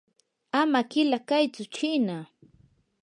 ama qila kaytsu chiina.